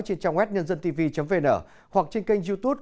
trên trang web nhân dân tv vn hoặc trên kênh youtube